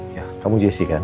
ya kamu jesse kan